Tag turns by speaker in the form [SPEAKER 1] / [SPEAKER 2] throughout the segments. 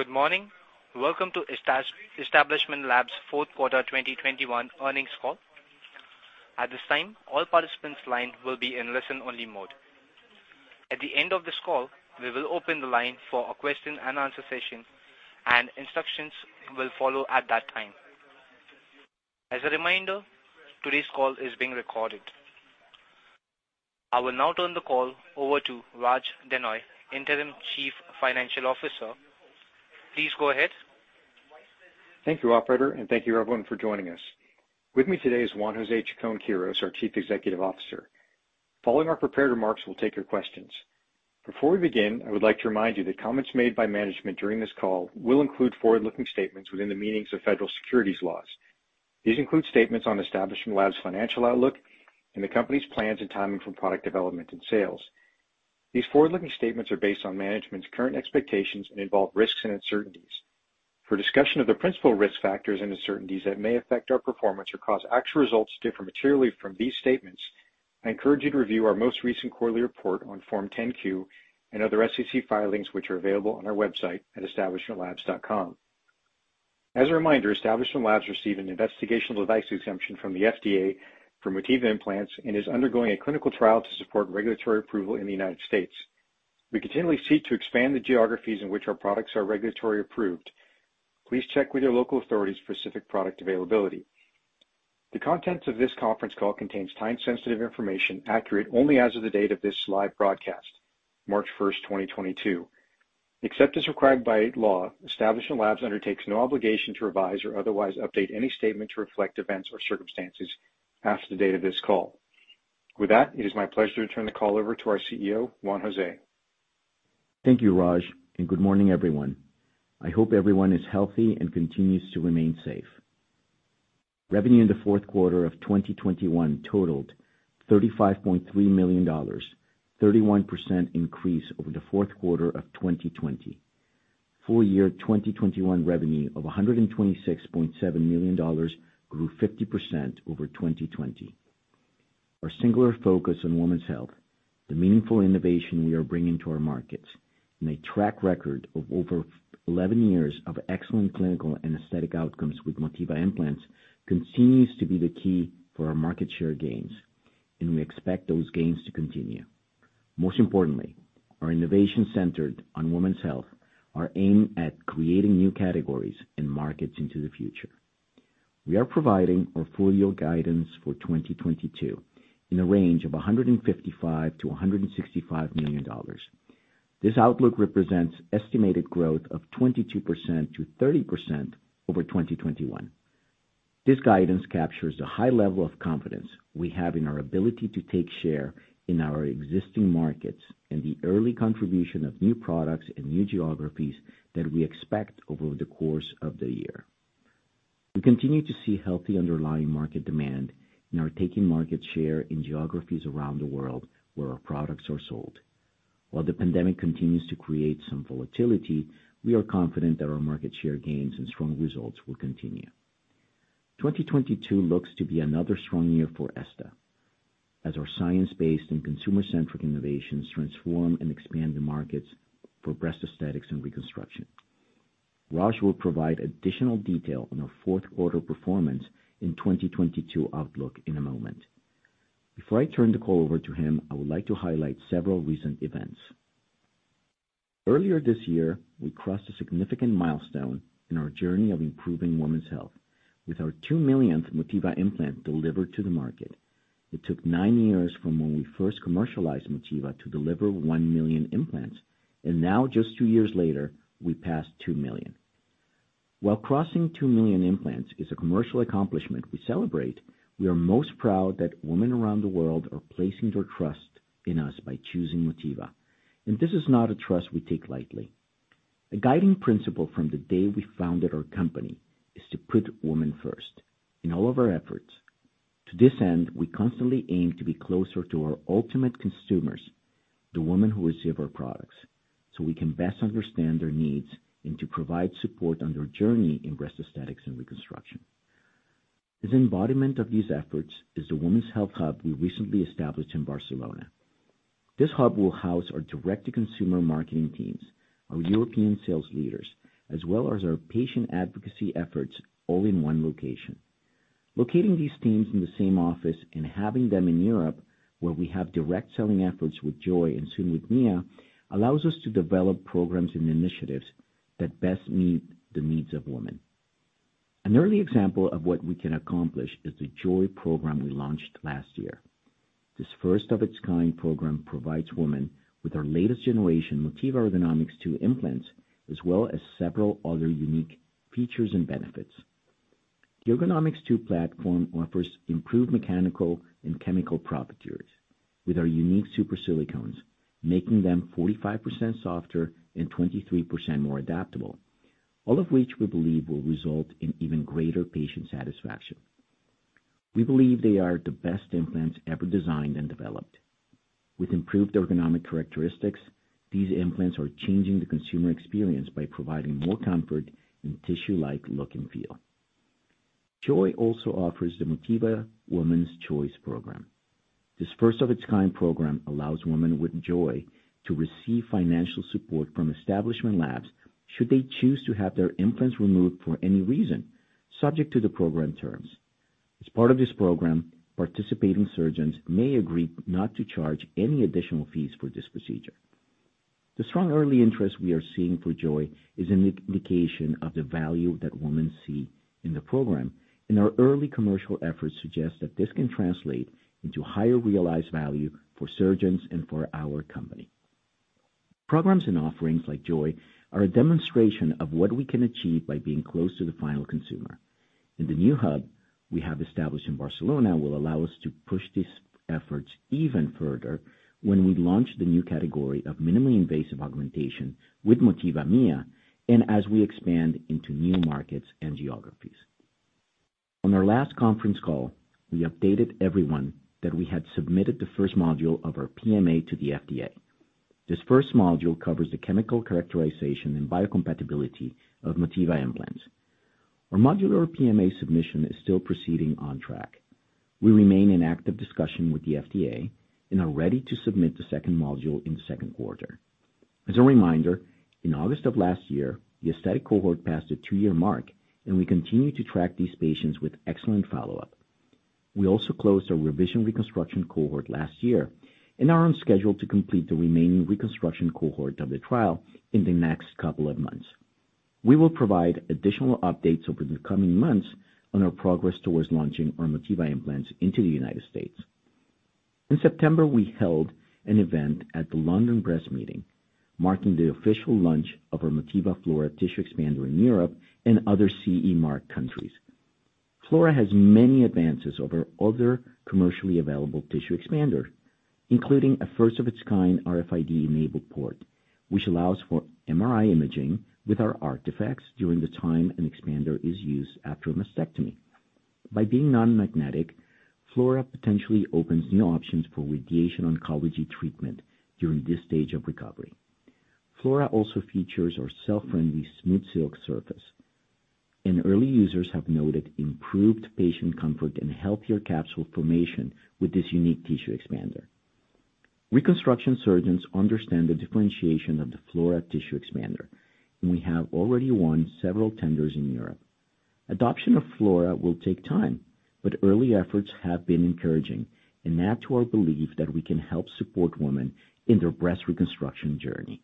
[SPEAKER 1] Good morning. Welcome to Establishment Labs' fourth quarter 2021 earnings call. At this time, all participants' lines will be in listen-only mode. At the end of this call, we will open the line for a question-and-answer session, and instructions will follow at that time. As a reminder, today's call is being recorded. I will now turn the call over to Raj Denhoy, Interim Chief Financial Officer. Please go ahead.
[SPEAKER 2] Thank you, operator, and thank you everyone for joining us. With me today is Juan José Chacón-Quirós, our Chief Executive Officer. Following our prepared remarks, we'll take your questions. Before we begin, I would like to remind you that comments made by management during this call will include forward-looking statements within the meanings of Federal Securities Laws. These include statements on Establishment Labs' financial outlook and the company's plans and timing for product development and sales. These forward-looking statements are based on management's current expectations and involve risks and uncertainties. For discussion of the principal risk factors and uncertainties that may affect our performance or cause actual results to differ materially from these statements, I encourage you to review our most recent quarterly report on Form 10-Q and other SEC filings, which are available on our website at establishmentlabs.com. As a reminder, Establishment Labs received an investigational device exemption from the FDA for Motiva implants and is undergoing a clinical trial to support regulatory approval in the United States. We continually seek to expand the geographies in which our products are regulatory approved. Please check with your local authority's specific product availability. The contents of this conference call contains time-sensitive information, accurate only as of the date of this live broadcast, March 1st, 2022. Except as required by law, Establishment Labs undertakes no obligation to revise or otherwise update any statement to reflect events or circumstances after the date of this call. With that, it is my pleasure to turn the call over to our CEO, Juan José.
[SPEAKER 3] Thank you, Raj, and good morning, everyone. I hope everyone is healthy and continues to remain safe. Revenue in the fourth quarter of 2021 totaled $35.3 million, 31% increase over the fourth quarter of 2020. Full year 2021 revenue of $126.7 million grew 50% over 2020. Our singular focus on women's health, the meaningful innovation we are bringing to our markets, and a track record of over 11 years of excellent clinical and aesthetic outcomes with Motiva implants continues to be the key for our market share gains, and we expect those gains to continue. Most importantly, our innovation centered on women's health are aimed at creating new categories and markets into the future. We are providing our full year guidance for 2022 in a range of $155 million-$165 million. This outlook represents estimated growth of 22%-30% over 2021. This guidance captures the high level of confidence we have in our ability to take share in our existing markets and the early contribution of new products and new geographies that we expect over the course of the year. We continue to see healthy underlying market demand and are taking market share in geographies around the world where our products are sold. While the pandemic continues to create some volatility, we are confident that our market share gains and strong results will continue. 2022 looks to be another strong year for Establishment Labs as our science-based and consumer-centric innovations transform and expand the markets for breast aesthetics and reconstruction. Raj will provide additional detail on our fourth quarter performance in 2022 outlook in a moment. Before I turn the call over to him, I would like to highlight several recent events. Earlier this year, we crossed a significant milestone in our journey of improving women's health with our 2 millionth Motiva implant delivered to the market. It took nine years from when we first commercialized Motiva to deliver 1 million implants, and now, just two years later, we passed 2 million. While crossing 2 million implants is a commercial accomplishment we celebrate, we are most proud that women around the world are placing their trust in us by choosing Motiva. This is not a trust we take lightly. A guiding principle from the day we founded our company is to put women first in all of our efforts. To this end, we constantly aim to be closer to our ultimate consumers, the women who receive our products, so we can best understand their needs and to provide support on their journey in breast aesthetics and reconstruction. This embodiment of these efforts is the women's health hub we recently established in Barcelona. This hub will house our direct-to-consumer marketing teams, our European sales leaders, as well as our patient advocacy efforts all in one location. Locating these teams in the same office and having them in Europe, where we have direct selling efforts with JOY and soon with Mia, allows us to develop programs and initiatives that best meet the needs of women. An early example of what we can accomplish is the JOY program we launched last year. This first-of-its-kind program provides women with our latest generation Motiva Ergonomix2 implants, as well as several other unique features and benefits. The Ergonomix2 platform offers improved mechanical and chemical properties with our unique SuperSilicones, making them 45% softer and 23% more adaptable. All of which we believe will result in even greater patient satisfaction. We believe they are the best implants ever designed and developed. With improved ergonomic characteristics, these implants are changing the consumer experience by providing more comfort and tissue-like look and feel. JOY also offers the Motiva Woman's Choice Program. This first of its kind program allows women with JOY to receive financial support from Establishment Labs should they choose to have their implants removed for any reason, subject to the program terms. As part of this program, participating surgeons may agree not to charge any additional fees for this procedure. The strong early interest we are seeing for JOY is an indication of the value that women see in the program, and our early commercial efforts suggest that this can translate into higher realized value for surgeons and for our company. Programs and offerings like JOY are a demonstration of what we can achieve by being close to the final consumer and the new hub we have established in Barcelona will allow us to push these efforts even further when we launch the new category of minimally invasive augmentation with Motiva Mia and as we expand into new markets and geographies. On our last conference call, we updated everyone that we had submitted the first module of our PMA to the FDA. This first module covers the chemical characterization and biocompatibility of Motiva implants. Our modular PMA submission is still proceeding on track. We remain in active discussion with the FDA and are ready to submit the second module in the second quarter. As a reminder, in August of last year, the aesthetic cohort passed a two-year mark and we continue to track these patients with excellent follow-up. We also closed our revision reconstruction cohort last year and are on schedule to complete the remaining reconstruction cohort of the trial in the next couple of months. We will provide additional updates over the coming months on our progress towards launching our Motiva implants into the United States. In September, we held an event at the London Breast Meeting, marking the official launch of our Motiva Flora tissue expander in Europe and other CE mark countries. Flora has many advances over other commercially available tissue expanders, including a first of its kind RFID-enabled port, which allows for MRI imaging without artifacts during the time an expander is used after a mastectomy. By being non-magnetic, Flora potentially opens new options for radiation oncology treatment during this stage of recovery. Flora also features our cell friendly SmoothSilk surface, and early users have noted improved patient comfort and healthier capsule formation with this unique tissue expander. Reconstruction surgeons understand the differentiation of the Flora tissue expander, and we have already won several tenders in Europe. Adoption of Flora will take time, but early efforts have been encouraging and add to our belief that we can help support women in their breast reconstruction journey.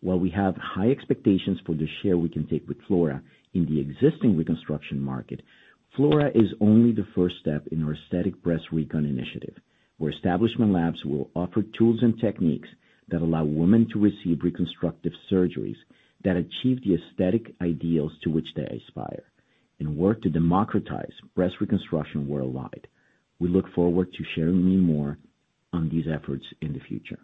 [SPEAKER 3] While we have high expectations for the share we can take with Flora in the existing reconstruction market, Flora is only the first step in our aesthetic breast recon initiative, where Establishment Labs will offer tools and techniques that allow women to receive reconstructive surgeries that achieve the aesthetic ideals to which they aspire and work to democratize breast reconstruction worldwide. We look forward to sharing with you more on these efforts in the future.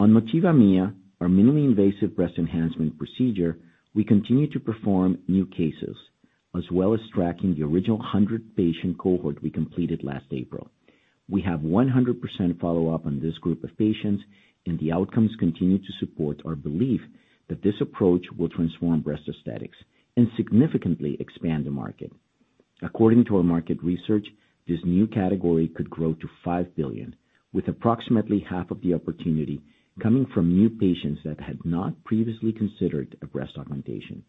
[SPEAKER 3] On Motiva Mia, our minimally invasive breast enhancement procedure, we continue to perform new cases as well as tracking the original 100-patient cohort we completed last April. We have 100% follow up on this group of patients, and the outcomes continue to support our belief that this approach will transform breast aesthetics and significantly expand the market. According to our market research, this new category could grow to $5 billion, with approximately half of the opportunity coming from new patients that had not previously considered a breast augmentation.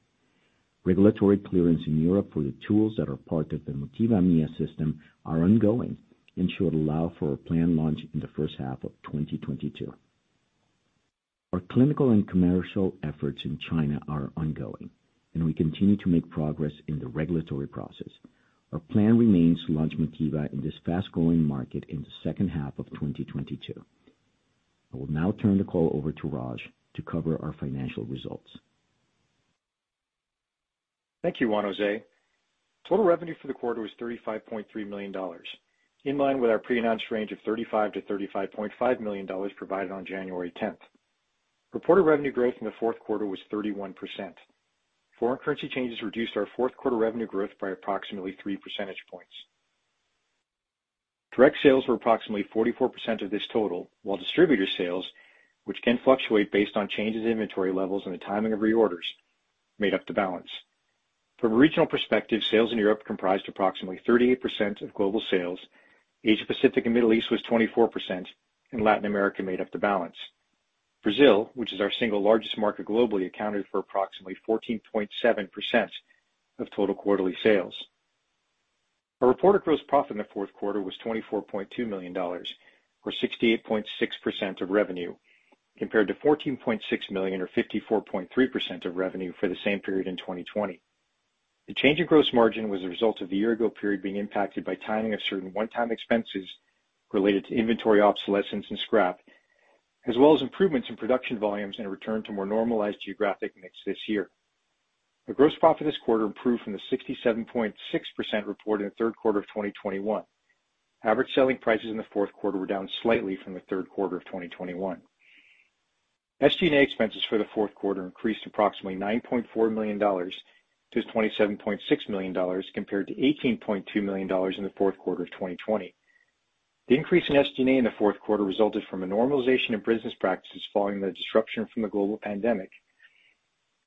[SPEAKER 3] Regulatory clearance in Europe for the tools that are part of the Motiva Mia system are ongoing and should allow for a planned launch in the first half of 2022. Our clinical and commercial efforts in China are ongoing, and we continue to make progress in the regulatory process. Our plan remains to launch Motiva in this fast-growing market in the second half of 2022. I will now turn the call over to Raj to cover our financial results.
[SPEAKER 2] Thank you, Juan José. Total revenue for the quarter was $35.3 million, in line with our pre-announced range of $35 million-$35.5 million provided on January 10th. Reported revenue growth in the fourth quarter was 31%. Foreign currency changes reduced our fourth quarter revenue growth by approximately three percentage points. Direct sales were approximately 44% of this total, while distributor sales, which can fluctuate based on changes in inventory levels and the timing of reorders, made up the balance. From a regional perspective, sales in Europe comprised approximately 38% of global sales. Asia Pacific and Middle East were 24%, and Latin America made up the balance. Brazil, which is our single largest market globally, accounted for approximately 14.7% of total quarterly sales. Our reported gross profit in the fourth quarter was $24.2 million or 68.6% of revenue, compared to $14.6 million or 54.3% of revenue for the same period in 2020. The change in gross margin was a result of the year ago period being impacted by timing of certain one-time expenses related to inventory obsolescence and scrap, as well as improvements in production volumes and a return to more normalized geographic mix this year. The gross profit this quarter improved from the 67.6% reported in the third quarter of 2021. Average selling prices in the fourth quarter were down slightly from the third quarter of 2021. SG&A expenses for the fourth quarter increased approximately $9.4 million to $27.6 million compared to $18.2 million in the fourth quarter of 2020. The increase in SG&A in the fourth quarter resulted from a normalization in business practices following the disruption from the global pandemic.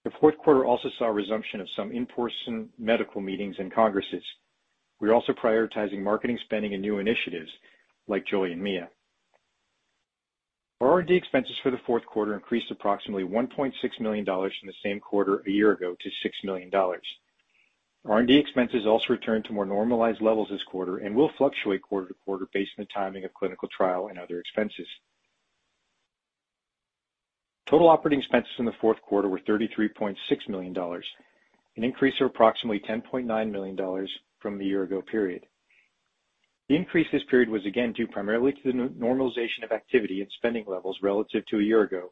[SPEAKER 2] The fourth quarter also saw a resumption of some in-person medical meetings and congresses. We're also prioritizing marketing spending and new initiatives like JOY and Mia. R&D expenses for the fourth quarter increased approximately $1.6 million from the same quarter a year ago to $6 million. R&D expenses also returned to more normalized levels this quarter and will fluctuate quarter-to-quarter based on the timing of clinical trial and other expenses. Total operating expenses in the fourth quarter were $33.6 million, an increase of approximately $10.9 million from the year-ago period. The increase this period was again due primarily to the normalization of activity and spending levels relative to a year ago,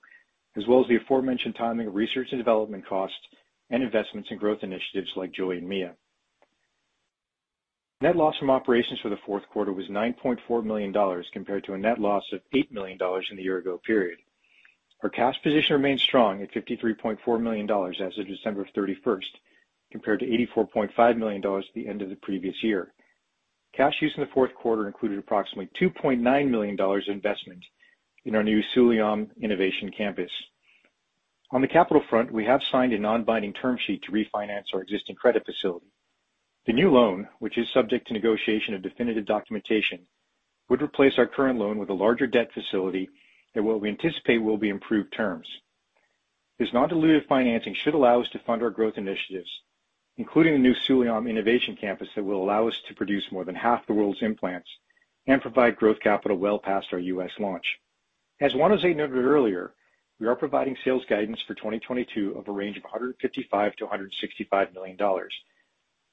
[SPEAKER 2] as well as the aforementioned timing of research and development costs and investments in growth initiatives like JOY and Mia. Net loss from operations for the fourth quarter was $9.4 million compared to a net loss of $8 million in the year-ago period. Our cash position remains strong at $53.4 million as of December 31st, compared to $84.5 million at the end of the previous year. Cash used in the fourth quarter included approximately $2.9 million investment in our new Sulàyöm Innovation Campus. On the capital front, we have signed a non-binding term sheet to refinance our existing credit facility. The new loan, which is subject to negotiation of definitive documentation, would replace our current loan with a larger debt facility and what we anticipate will be improved terms. This non-dilutive financing should allow us to fund our growth initiatives, including the new Sulàyöm Innovation Campus that will allow us to produce more than half the world's implants and provide growth capital well past our U.S. launch. As Juan José noted earlier, we are providing sales guidance for 2022 of a range of $155 million-$165 million,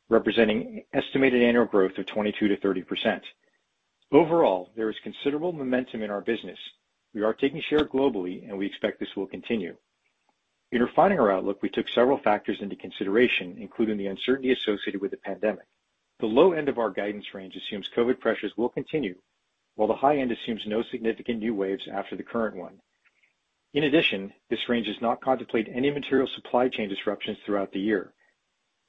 [SPEAKER 2] representing estimated annual growth of 22%-30%. Overall, there is considerable momentum in our business. We are taking share globally, and we expect this will continue. In refining our outlook, we took several factors into consideration, including the uncertainty associated with the pandemic. The low end of our guidance range assumes COVID-19 pressures will continue, while the high end assumes no significant new waves after the current one. In addition, this range does not contemplate any material supply chain disruptions throughout the year.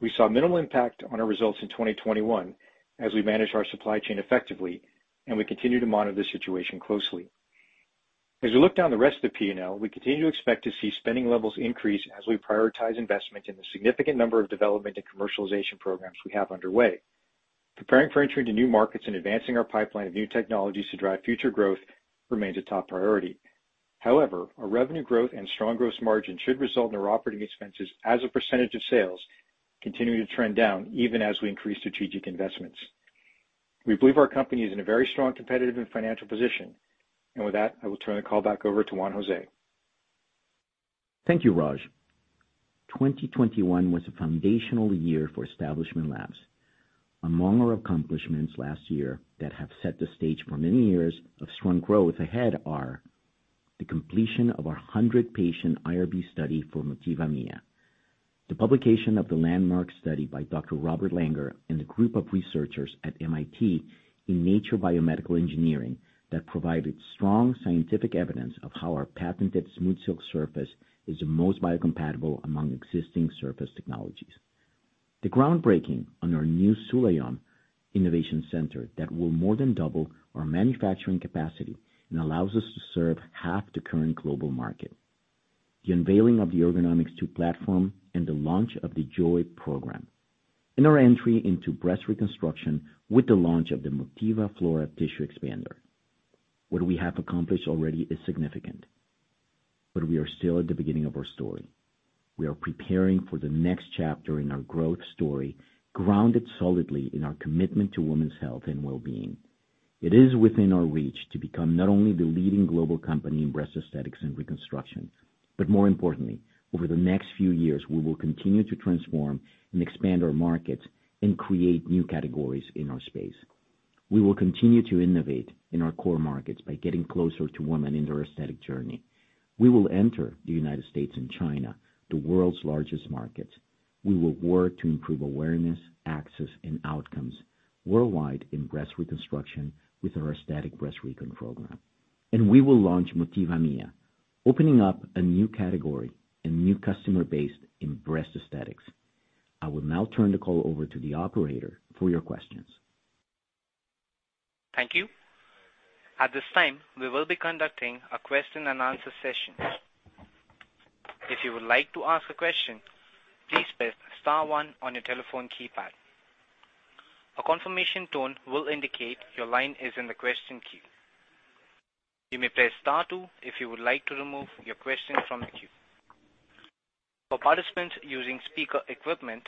[SPEAKER 2] We saw minimal impact on our results in 2021 as we managed our supply chain effectively, and we continue to monitor the situation closely. As we look down the rest of the P&L, we continue to expect to see spending levels increase as we prioritize investment in the significant number of development and commercialization programs we have underway. Preparing for entry into new markets and advancing our pipeline of new technologies to drive future growth remains a top priority. However, our revenue growth and strong gross margin should result in our operating expenses as a percentage of sales continuing to trend down even as we increase strategic investments. We believe our company is in a very strong competitive and financial position. With that, I will turn the call back over to Juan José.
[SPEAKER 3] Thank you, Raj. 2021 was a foundational year for Establishment Labs. Among our accomplishments last year that have set the stage for many years of strong growth ahead are the completion of our 100-patient IRB study for Motiva Mia, the publication of the landmark study by Dr. Robert Langer and a group of researchers at MIT in Nature Biomedical Engineering that provided strong scientific evidence of how our patented SmoothSilk surface is the most biocompatible among existing surface technologies. The groundbreaking on our new Sulàyöm Innovation Campus that will more than double our manufacturing capacity and allows us to serve half the current global market. The unveiling of the Ergonomix2 platform and the launch of the JOY program, and our entry into breast reconstruction with the launch of the Motiva Flora tissue expander. What we have accomplished already is significant, but we are still at the beginning of our story. We are preparing for the next chapter in our growth story, grounded solidly in our commitment to women's health and well-being. It is within our reach to become not only the leading global company in breast aesthetics and reconstruction, but more importantly, over the next few years, we will continue to transform and expand our markets and create new categories in our space. We will continue to innovate in our core markets by getting closer to women in their aesthetic journey. We will enter the United States and China, the world's largest markets. We will work to improve awareness, access, and outcomes worldwide in breast reconstruction with our aesthetic breast recon program. We will launch Motiva Mia, opening up a new category and new customer base in breast aesthetics. I will now turn the call over to the operator for your questions.
[SPEAKER 1] Thank you. At this time, we will be conducting a question-and-answer session. If you would like to ask a question, please press star one on your telephone keypad. A confirmation tone will indicate your line is in the question queue. You may press star two if you would like to remove your question from the queue. For participants using speaker equipment,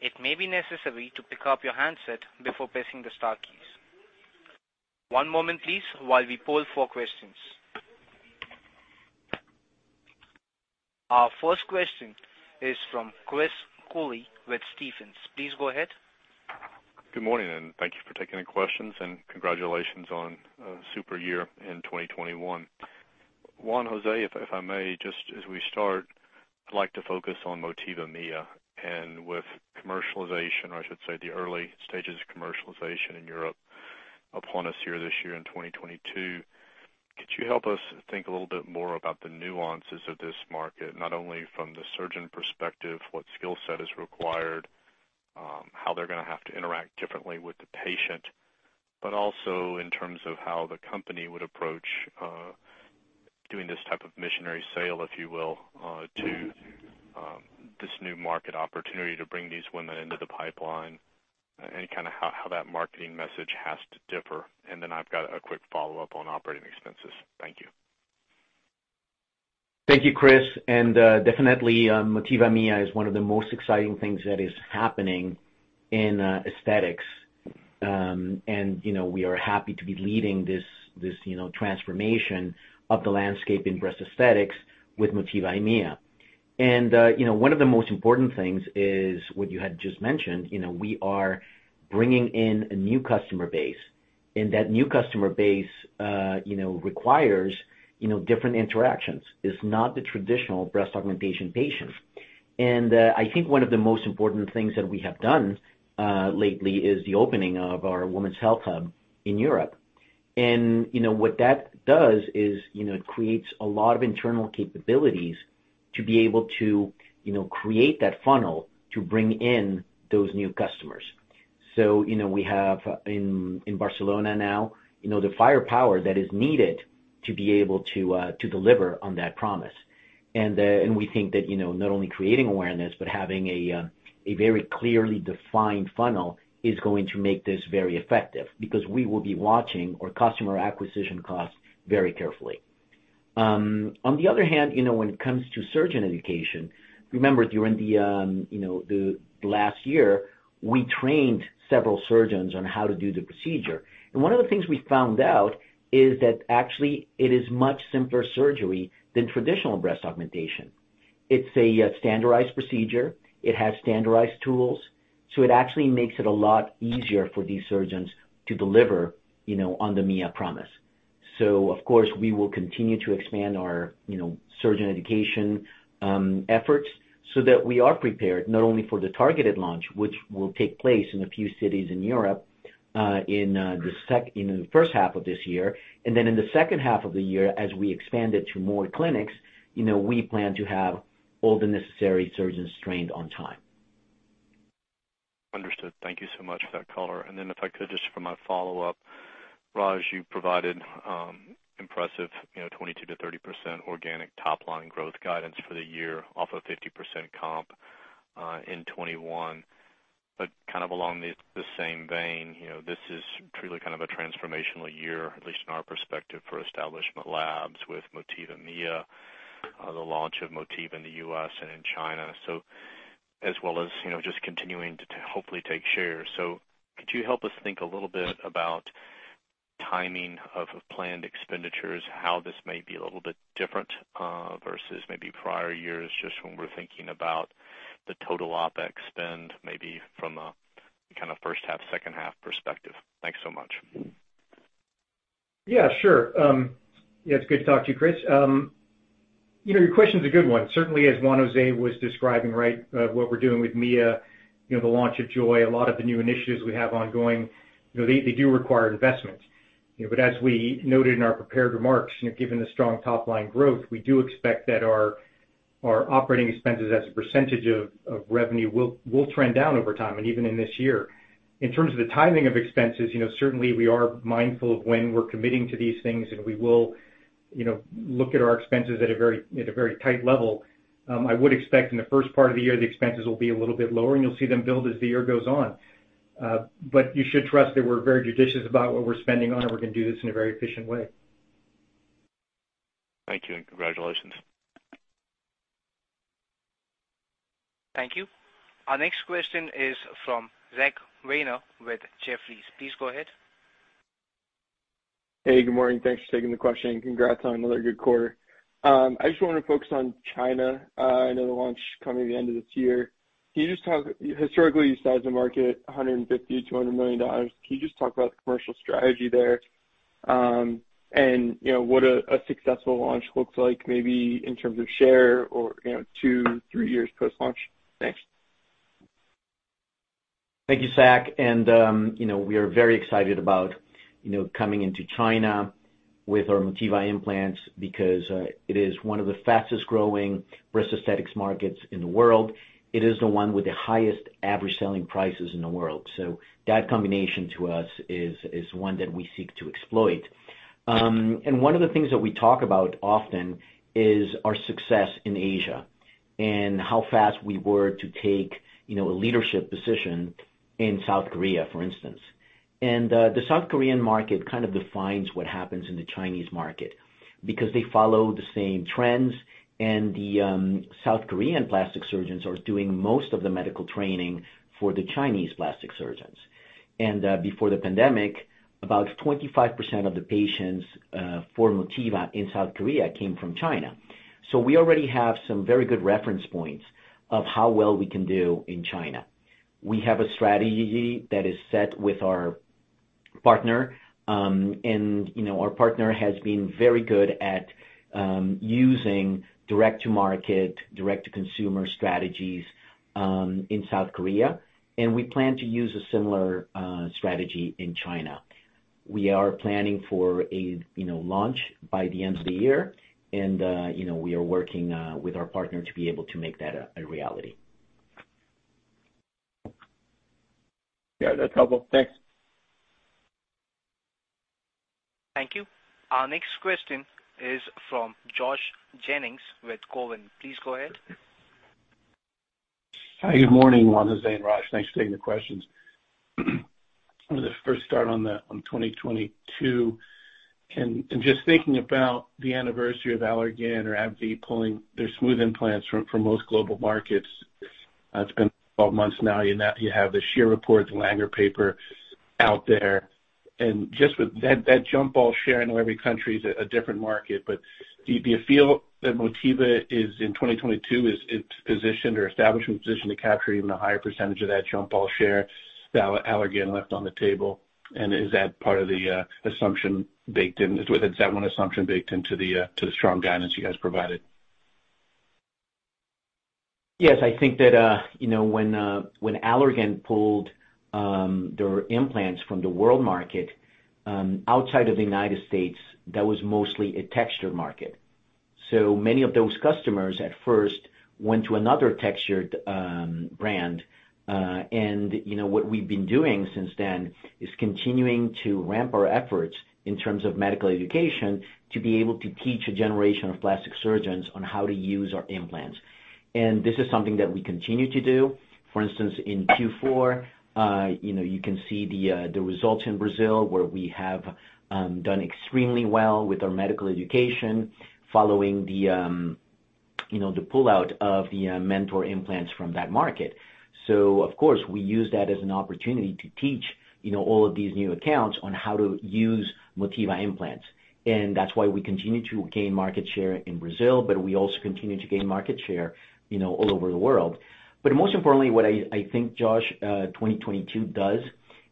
[SPEAKER 1] it may be necessary to pick up your handset before pressing the star keys. One moment, please, while we poll for questions. Our first question is from Chris Cooley with Stephens. Please go ahead.
[SPEAKER 4] Good morning, and thank you for taking the questions, and congratulations on a super year in 2021. Juan José, if I may, just as we start, I'd like to focus on Motiva Mia and with commercialization, or I should say the early stages of commercialization in Europe upon us here this year in 2022. Could you help us think a little bit more about the nuances of this market, not only from the surgeon perspective, what skill set is required, how they're gonna have to interact differently with the patient, but also in terms of how the company would approach, doing this type of missionary sale, if you will, to this new market opportunity to bring these women into the pipeline? Any kind of how that marketing message has to differ? I've got a quick follow-up on operating expenses. Thank you.
[SPEAKER 3] Thank you, Chris. Definitely, Motiva Mia is one of the most exciting things that is happening in aesthetics. You know, we are happy to be leading this transformation of the landscape in breast aesthetics with Motiva Mia. You know, one of the most important things is what you had just mentioned. You know, we are bringing in a new customer base, and that new customer base requires different interactions. It's not the traditional breast augmentation patient. I think one of the most important things that we have done lately is the opening of our women's health hub in Europe. You know, what that does is it creates a lot of internal capabilities to be able to create that funnel to bring in those new customers. You know, we have in Barcelona now, you know, the firepower that is needed to be able to deliver on that promise. We think that, you know, not only creating awareness, but having a very clearly defined funnel is going to make this very effective because we will be watching our customer acquisition costs very carefully. On the other hand, you know, when it comes to surgeon education, remember during the last year, we trained several surgeons on how to do the procedure. One of the things we found out is that actually it is much simpler surgery than traditional breast augmentation. It's a standardized procedure. It has standardized tools, so it actually makes it a lot easier for these surgeons to deliver, you know, on the Mia promise. Of course, we will continue to expand our, you know, surgeon education efforts so that we are prepared not only for the targeted launch, which will take place in a few cities in Europe, in the first half of this year, and then in the second half of the year, as we expand it to more clinics, you know, we plan to have all the necessary surgeons trained on time.
[SPEAKER 4] Understood. Thank you so much for that color. Then if I could, just for my follow-up, Raj, you provided impressive, you know, 22%-30% organic top-line growth guidance for the year off of 50% comp in 2021. Kind of along the same vein, you know, this is truly kind of a transformational year, at least in our perspective, for Establishment Labs with Motiva Mia, the launch of Motiva in the U.S. and in China. As well as, you know, just continuing to hopefully take share. Could you help us think a little bit about timing of planned expenditures, how this may be a little bit different versus maybe prior years, just when we're thinking about the total OpEx spend, maybe from a kind of first half, second half perspective? Thanks so much.
[SPEAKER 2] Yeah, sure. Yeah, it's good to talk to you, Chris. You know, your question is a good one. Certainly as Juan José was describing, right, what we're doing with Mia, you know, the launch of JOY, a lot of the new initiatives we have ongoing, you know, they do require investment. You know, but as we noted in our prepared remarks, you know, given the strong top-line growth, we do expect that our operating expenses as a percentage of revenue will trend down over time and even in this year. In terms of the timing of expenses, you know, certainly we are mindful of when we're committing to these things and we will, you know, look at our expenses at a very tight level. I would expect in the first part of the year, the expenses will be a little bit lower and you'll see them build as the year goes on. You should trust that we're very judicious about what we're spending on, and we're gonna do this in a very efficient way.
[SPEAKER 4] Thank you, and congratulations.
[SPEAKER 1] Thank you. Our next question is from Zach Weiner with Jefferies. Please go ahead.
[SPEAKER 5] Hey, good morning. Thanks for taking the question and congrats on another good quarter. I just wanna focus on China. I know the launch coming at the end of this year. Can you just talk. Historically, you sized the market $150 million-$200 million. Can you just talk about the commercial strategy there, and what a successful launch looks like maybe in terms of share or two, three years post-launch? Thanks.
[SPEAKER 3] Thank you, Zach. You know, we are very excited about, you know, coming into China with our Motiva implants because it is one of the fastest-growing breast aesthetics markets in the world. It is the one with the highest average selling prices in the world. That combination to us is one that we seek to exploit. One of the things that we talk about often is our success in Asia and how fast we were to take, you know, a leadership position in South Korea, for instance. The South Korean market kind of defines what happens in the Chinese market because they follow the same trends and the South Korean plastic surgeons are doing most of the medical training for the Chinese plastic surgeons. Before the pandemic, about 25% of the patients for Motiva in South Korea came from China. We already have some very good reference points of how well we can do in China. We have a strategy that is set with our partner, and, you know, our partner has been very good at using direct-to-market, direct-to-consumer strategies in South Korea, and we plan to use a similar strategy in China. We are planning for a, you know, launch by the end of the year. We are working with our partner to be able to make that a reality.
[SPEAKER 5] Yeah, that's helpful. Thanks.
[SPEAKER 1] Thank you. Our next question is from Josh Jennings with Cowen. Please go ahead.
[SPEAKER 6] Hi, good morning, Juan José and Raj. Thanks for taking the questions. I'm gonna first start on 2022. Just thinking about the anniversary of Allergan or AbbVie pulling their smooth implants from most global markets, it's been 12 months now, in that you have the shear reports, Langer paper out there. Just with that jump ball share, I know every country is a different market, but do you feel that Motiva is, in 2022, positioned or established in a position to capture even a higher percentage of that jump ball share that Allergan left on the table? Is that part of the assumption baked in? Is that one assumption baked into the strong guidance you guys provided?
[SPEAKER 3] Yes, I think that, you know, when Allergan pulled their implants from the world market outside of the United States, that was mostly a textured market. Many of those customers at first went to another textured brand. You know, what we've been doing since then is continuing to ramp our efforts in terms of medical education to be able to teach a generation of plastic surgeons on how to use our implants. This is something that we continue to do. For instance, in Q4, you know, you can see the results in Brazil, where we have done extremely well with our medical education following the, you know, the pullout of the Mentor implants from that market. Of course, we use that as an opportunity to teach, you know, all of these new accounts on how to use Motiva implants. That's why we continue to gain market share in Brazil, but we also continue to gain market share, you know, all over the world. Most importantly, what I think, Josh, 2022 does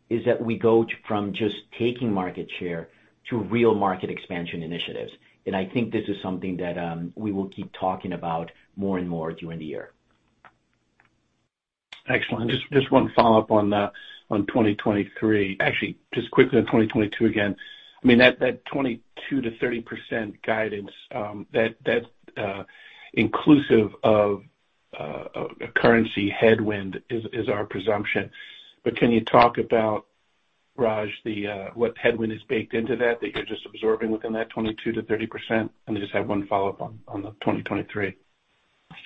[SPEAKER 3] is that we go from just taking market share to real market expansion initiatives. I think this is something that we will keep talking about more and more during the year.
[SPEAKER 6] Excellent. Just one follow-up on 2023. Actually, just quickly on 2022 again. I mean, that 22%-30% guidance, that inclusive of currency headwind is our presumption. But can you talk about, Raj, what headwind is baked into that that you're just absorbing within that 22%-30%? I just have one follow-up on the 2023.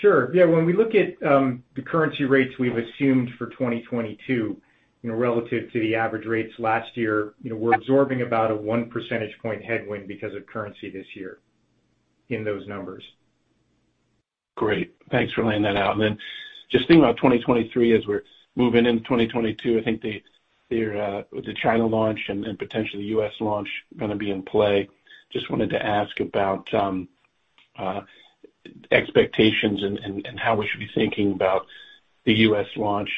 [SPEAKER 2] Sure. Yeah, when we look at the currency rates we've assumed for 2022, you know, relative to the average rates last year, you know, we're absorbing about a 1 percentage point headwind because of currency this year in those numbers.
[SPEAKER 6] Great. Thanks for laying that out. Then just thinking about 2023 as we're moving into 2022, I think with the China launch and potentially the U.S. launch gonna be in play. Just wanted to ask about expectations and how we should be thinking about the U.S. launch.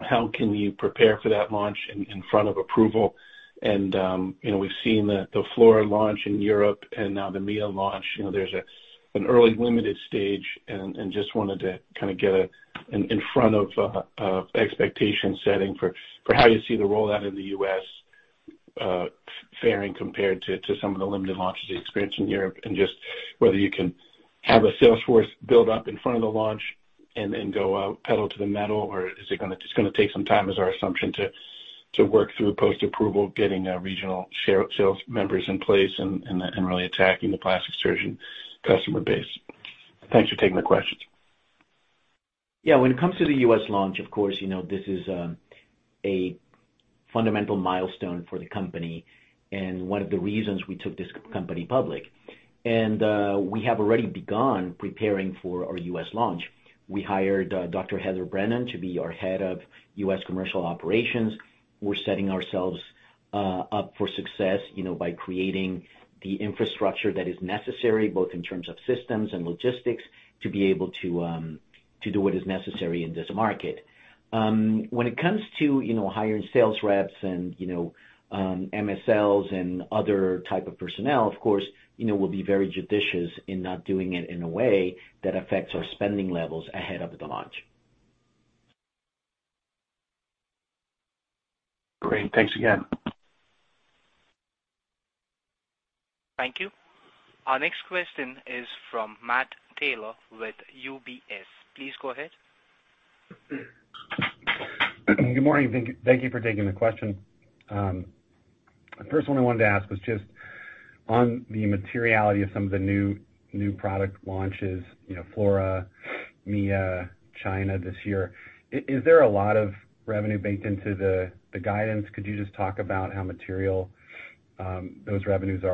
[SPEAKER 6] How can you prepare for that launch in front of approval? You know, we've seen the Flora launch in Europe and now the Mia launch. You know, there's an early limited stage and just wanted to kinda get an in front of expectation setting for how you see the rollout in the U.S. faring compared to some of the limited launches you experienced in Europe. Just whether you can have a sales force build up in front of the launch and then go out pedal to the metal, or is it just gonna take some time as our assumption to work through post-approval, getting regional sales members in place and really attacking the plastic surgeon customer base. Thanks for taking the questions.
[SPEAKER 3] Yeah. When it comes to the U.S. launch, of course, you know, this is a fundamental milestone for the company, and one of the reasons we took this company public. We have already begun preparing for our U.S. launch. We hired Dr. Heather Brennan to be our Head of U.S. Commercial Operations. We're setting ourselves up for success, you know, by creating the infrastructure that is necessary, both in terms of systems and logistics, to be able to do what is necessary in this market. When it comes to, you know, hiring sales reps and, you know, MSLs and other type of personnel, of course, you know, we'll be very judicious in not doing it in a way that affects our spending levels ahead of the launch.
[SPEAKER 6] Great. Thanks again.
[SPEAKER 1] Thank you. Our next question is from Matt Taylor with UBS. Please go ahead.
[SPEAKER 7] Good morning. Thank you for taking the question. First one I wanted to ask was just on the materiality of some of the new product launches, you know, Flora, Mia, China this year. Is there a lot of revenue baked into the guidance? Could you just talk about how material those revenues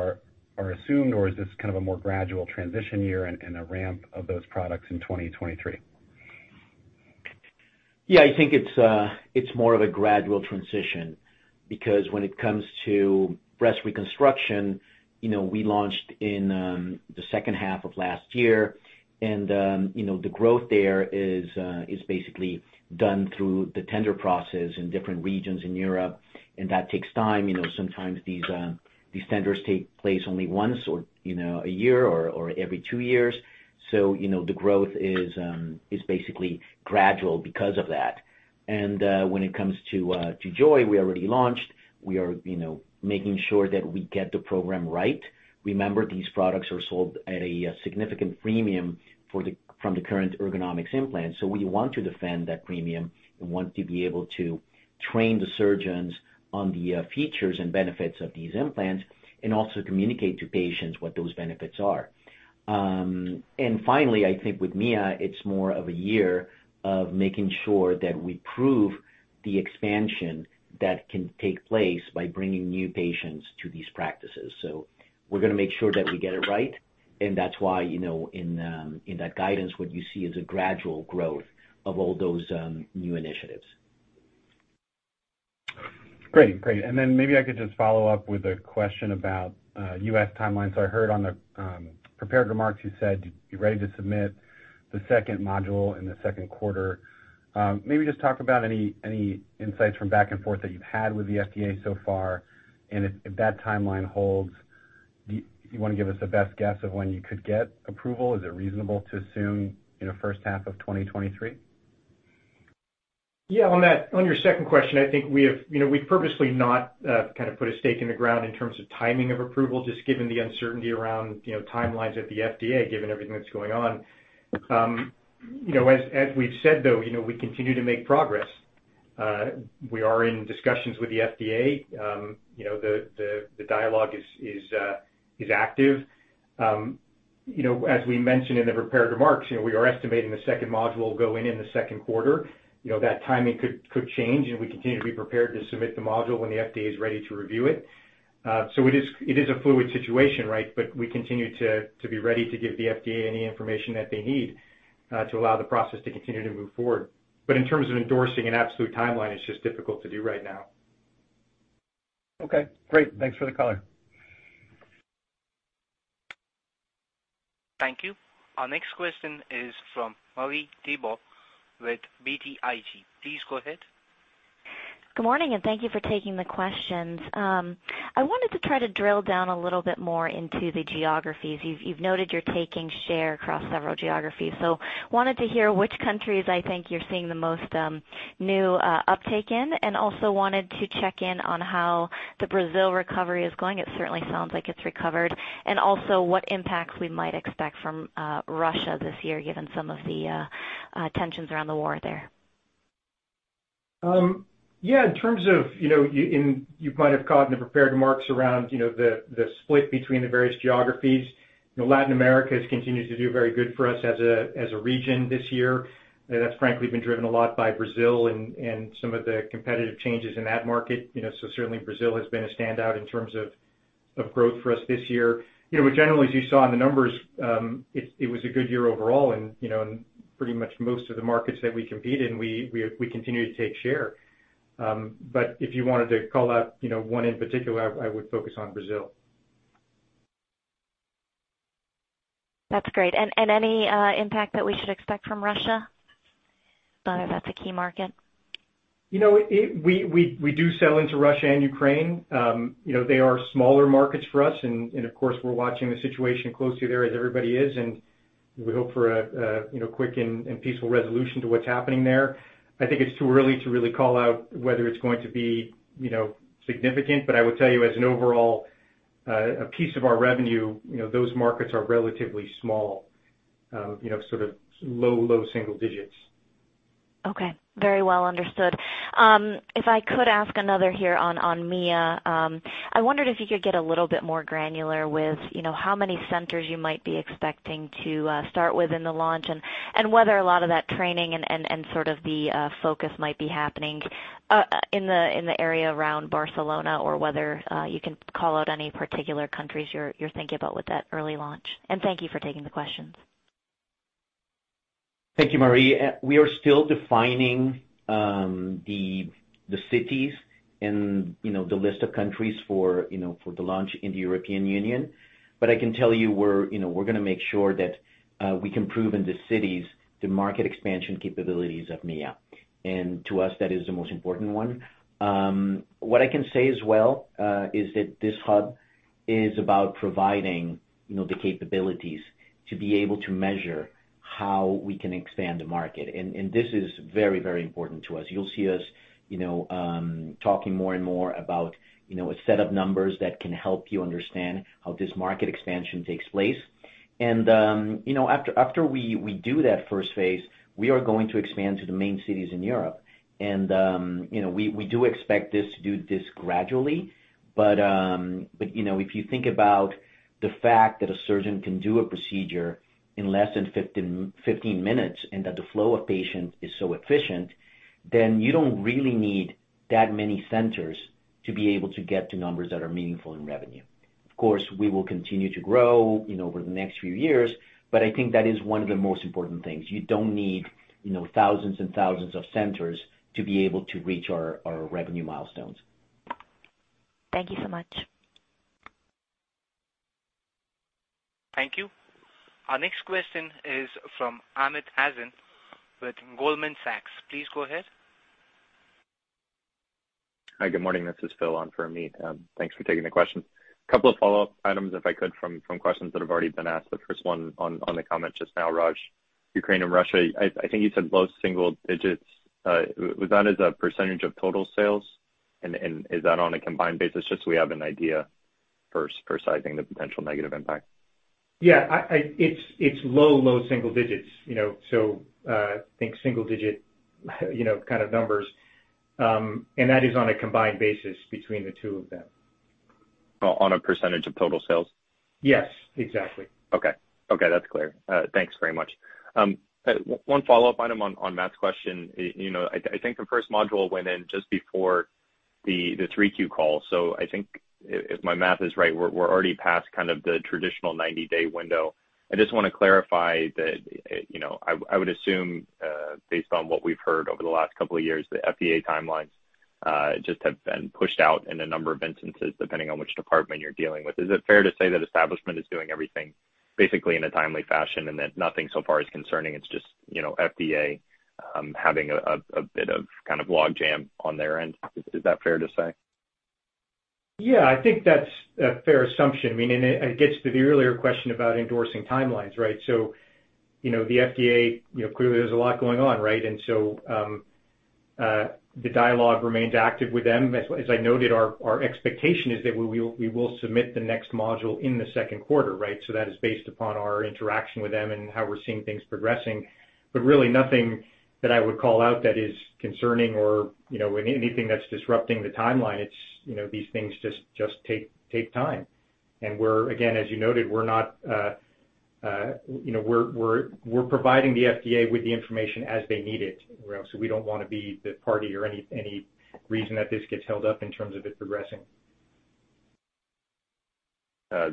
[SPEAKER 7] are assumed, or is this kind of a more gradual transition year and a ramp of those products in 2023?
[SPEAKER 3] Yeah, I think it's more of a gradual transition because when it comes to breast reconstruction, you know, we launched in the second half of last year. You know, the growth there is basically done through the tender process in different regions in Europe, and that takes time. You know, sometimes these centers take place only once or, you know, a year or every two years. You know, the growth is basically gradual because of that. When it comes to JOY, we already launched. We are, you know, making sure that we get the program right. Remember, these products are sold at a significant premium from the current Ergonomix implants. We want to defend that premium and want to be able to train the surgeons on the features and benefits of these implants and also communicate to patients what those benefits are. Finally, I think with Mia, it's more of a year of making sure that we prove the expansion that can take place by bringing new patients to these practices. We're gonna make sure that we get it right, and that's why, you know, in that guidance, what you see is a gradual growth of all those new initiatives.
[SPEAKER 7] Maybe I could just follow-up with a question about U.S. timelines. I heard on the prepared remarks, you said you're ready to submit the second module in the second quarter. Maybe just talk about any insights from back and forth that you've had with the FDA so far, and if that timeline holds. Do you want to give us a best guess of when you could get approval? Is it reasonable to assume in the first half of 2023?
[SPEAKER 2] Yeah. On your second question, I think we have, you know, we've purposely not kind of put a stake in the ground in terms of timing of approval, just given the uncertainty around, you know, timelines at the FDA, given everything that's going on. You know, as we've said, though, you know, we continue to make progress. We are in discussions with the FDA. You know, the dialogue is active. You know, as we mentioned in the prepared remarks, you know, we are estimating the second module will go in in the second quarter. You know, that timing could change, and we continue to be prepared to submit the module when the FDA is ready to review it. It is a fluid situation, right? We continue to be ready to give the FDA any information that they need to allow the process to continue to move forward. In terms of endorsing an absolute timeline, it's just difficult to do right now.
[SPEAKER 7] Okay, great. Thanks for the color.
[SPEAKER 1] Thank you. Our next question is from Marie Thibault with BTIG. Please go ahead.
[SPEAKER 8] Good morning, and thank you for taking the questions. I wanted to try to drill down a little bit more into the geographies. You've noted you're taking share across several geographies. Wanted to hear which countries, I think, you're seeing the most new uptake in, and also wanted to check in on how the Brazil recovery is going. It certainly sounds like it's recovered. Also what impacts we might expect from Russia this year, given some of the tensions around the war there.
[SPEAKER 2] In terms of, you know, you might have caught in the prepared remarks around, you know, the split between the various geographies. You know, Latin America has continued to do very good for us as a region this year. That's frankly been driven a lot by Brazil and some of the competitive changes in that market. You know, certainly Brazil has been a standout in terms of growth for us this year. You know, but generally, as you saw in the numbers, it was a good year overall and, you know, pretty much most of the markets that we compete in, we continue to take share. If you wanted to call out, you know, one in particular, I would focus on Brazil.
[SPEAKER 8] That's great. Any impact that we should expect from Russia? I know that's a key market.
[SPEAKER 2] You know, we do sell into Russia and Ukraine. You know, they are smaller markets for us and of course, we're watching the situation closely there as everybody is, and we hope for a you know, quick and peaceful resolution to what's happening there. I think it's too early to really call out whether it's going to be, you know, significant, but I would tell you as an overall piece of our revenue, you know, those markets are relatively small, you know, sort of low-single digits.
[SPEAKER 8] Okay. Very well understood. If I could ask another here on Mia. I wondered if you could get a little bit more granular with, you know, how many centers you might be expecting to start with in the launch and whether a lot of that training and sort of the focus might be happening in the area around Barcelona or whether you can call out any particular countries you're thinking about with that early launch? Thank you for taking the questions.
[SPEAKER 3] Thank you, Marie. We are still defining the cities and, you know, the list of countries for, you know, for the launch in the European Union. I can tell you we're, you know, we're gonna make sure that we can prove in the cities the market expansion capabilities of Mia. To us, that is the most important one. What I can say as well is that this hub is about providing, you know, the capabilities to be able to measure how we can expand the market. This is very, very important to us. You'll see us, you know, talking more and more about, you know, a set of numbers that can help you understand how this market expansion takes place. You know, after we do that first phase, we are going to expand to the main cities in Europe. You know, we do expect to do this gradually, but you know, if you think about the fact that a surgeon can do a procedure in less than 15 minutes and that the flow of patients is so efficient, then you don't really need that many centers to be able to get to numbers that are meaningful in revenue. Of course, we will continue to grow, you know, over the next few years, but I think that is one of the most important things. You don't need, you know, thousands and thousands of centers to be able to reach our revenue milestones.
[SPEAKER 8] Thank you so much.
[SPEAKER 1] Thank you. Our next question is from Amit Hazan with Goldman Sachs. Please go ahead.
[SPEAKER 9] Hi, good morning. This is Phil on for Amit. Thanks for taking the question. A couple of follow-up items, if I could, from questions that have already been asked. The first one on the comment just now, Raj. Ukraine and Russia. I think you said low-single digits. Was that as a percentage of total sales? Is that on a combined basis, just so we have an idea first for sizing the potential negative impact?
[SPEAKER 2] Yeah. It's low single digits, you know, so think single digit, you know, kind of numbers. That is on a combined basis between the two of them.
[SPEAKER 9] On a percentage of total sales?
[SPEAKER 2] Yes, exactly.
[SPEAKER 9] Okay. Okay, that's clear. Thanks very much. One follow-up item on Matt's question. You know, I think the first module went in just before the Q3 call. So I think if my math is right, we're already past kind of the traditional 90-day window. I just wanna clarify that, you know, I would assume based on what we've heard over the last couple of years, the FDA timelines just have been pushed out in a number of instances, depending on which department you're dealing with. Is it fair to say that Establishment Labs is doing everything basically in a timely fashion and that nothing so far is concerning? It's just, you know, FDA having a bit of kind of log jam on their end. Is that fair to say?
[SPEAKER 2] Yeah, I think that's a fair assumption. I mean, it gets to the earlier question about endorsing timelines, right? You know, the FDA, you know, clearly there's a lot going on, right? The dialogue remains active with them. As I noted, our expectation is that we will submit the next module in the second quarter, right? That is based upon our interaction with them and how we're seeing things progressing, but really nothing that I would call out that is concerning or, you know, anything that's disrupting the timeline. It's, you know, these things just take time. We're, again, as you noted, we're not, you know, we're providing the FDA with the information as they need it. You know, we don't wanna be the party or any reason that this gets held up in terms of it progressing.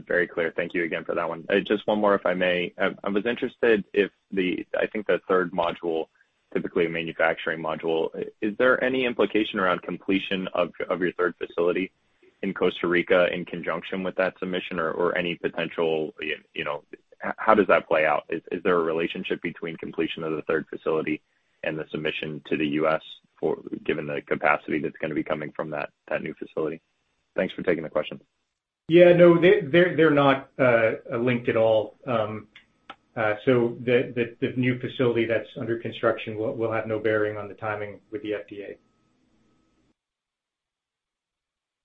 [SPEAKER 9] Very clear. Thank you again for that one. Just one more, if I may. I was interested if the, I think the third module, typically a manufacturing module, is there any implication around completion of your third facility in Costa Rica in conjunction with that submission or any potential. How does that play out? Is there a relationship between completion of the third facility and the submission to the U.S. for, given the capacity that's gonna be coming from that new facility? Thanks for taking the question.
[SPEAKER 2] Yeah, no, they're not linked at all. The new facility that's under construction will have no bearing on the timing with the FDA.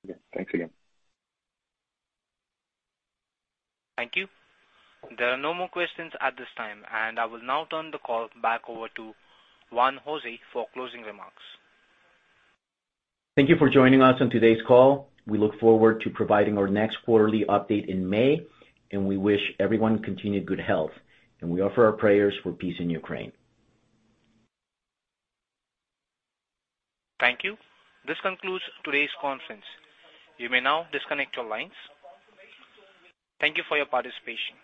[SPEAKER 9] Okay. Thanks again.
[SPEAKER 1] Thank you. There are no more questions at this time, and I will now turn the call back over to Juan José for closing remarks.
[SPEAKER 3] Thank you for joining us on today's call. We look forward to providing our next quarterly update in May, and we wish everyone continued good health. We offer our prayers for peace in Ukraine.
[SPEAKER 1] Thank you. This concludes today's conference. You may now disconnect your lines. Thank you for your participation.